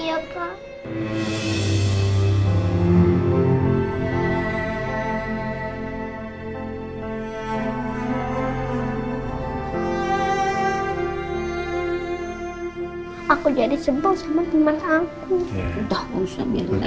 aku jadi sebel sama teman aku